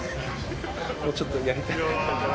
もうちょっとやりたい。